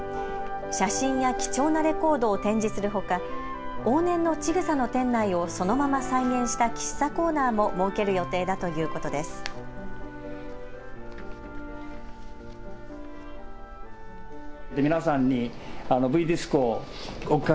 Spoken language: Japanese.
写真や貴重なレコードを展示するほか往年のちぐさの店内をそのまま再現した喫茶コーナーも設ける予定だということです。